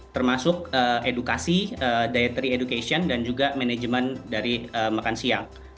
termasuk edukasi ditary education dan juga manajemen dari makan siang